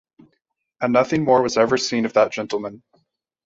And nothing more was ever seen of that gentleman.